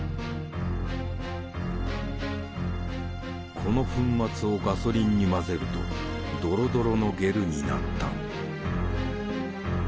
この粉末をガソリンに混ぜるとドロドロのゲルになった。